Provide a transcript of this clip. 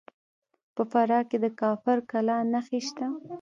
په فراه کې د کافر کلا نښې شته